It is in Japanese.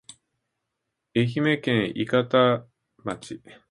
愛媛県伊方町